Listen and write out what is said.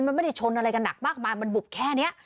มันไม่ได้ชนอะไรกันหนักมากมายมันบุบแค่นี้